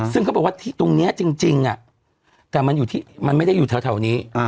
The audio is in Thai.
ซึ่งเขาบอกว่าที่ตรงเนี้ยจริงจริงอ่ะแต่มันอยู่ที่มันไม่ได้อยู่แถวแถวนี้